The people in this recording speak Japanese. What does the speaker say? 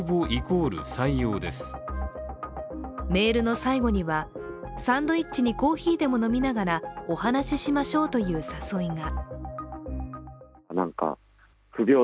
メールの最後にはサンドイッチにコーヒーでも飲みながらお話ししましょうという誘いが。